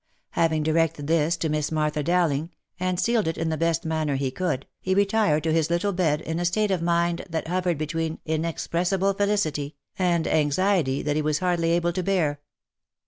Having directed this to Miss Martha Dow ling, and sealed it in the best manner he could, he retired to his little bed in a state of mind that hovered between inexpressible felicity, and anxiety that he was hardly able to bear.